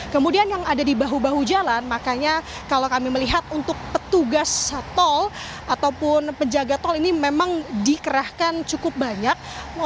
kemudian yang ada di bahu bahu jalan makanya kalau kami melihat untuk petugas tol ataupun penjaga tol ini memang dikerahkan cukup banyak